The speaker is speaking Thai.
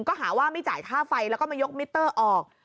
ก็หาว่าไม่จ่ายค่าไฟแล้วก็มายกมิเตอร์ออก